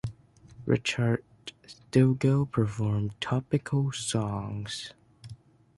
Richard Stilgoe performed topical songs.